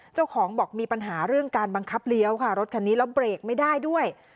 เจ้าของบอกมีปัญหาเรื่องการบังคับเลี้ยวค่ะรถคันนี้แล้วเบรกไม่ได้ด้วย